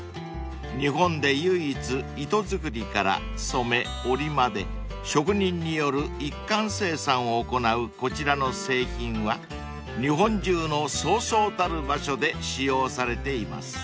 ［日本で唯一糸作りから染め織りまで職人による一貫生産を行うこちらの製品は日本中のそうそうたる場所で使用されています］